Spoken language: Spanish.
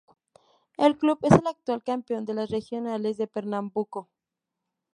El club es el actual campeón de las regionales de Pernambuco.